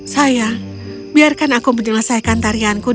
sayang biarkan aku menyelesaikan tarianku dan pangeran